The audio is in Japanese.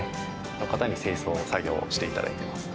の方に清掃作業をして頂いてます。